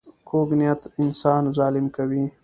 کوږ نیت انسان ظالم کوي